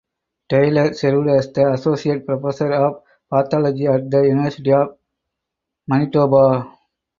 Taylor served as the Associate Professor of Pathology at the University of Manitoba.